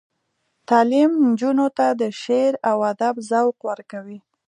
تعلیم نجونو ته د شعر او ادب ذوق ورکوي.